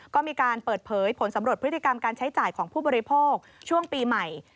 ก็มีการเปิดเผยผลสำรวจพฤติกรรมการใช้จ่ายของผู้บริโภคช่วงปีใหม่